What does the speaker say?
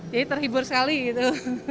jadi terhibur sekali gitu